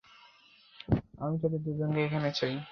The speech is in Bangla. আমি তাদের দুজনকে এখানে চাই।